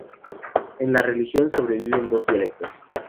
En la región sobreviven dos dialectos.